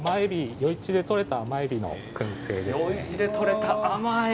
余市で取れた甘えびのくん製です。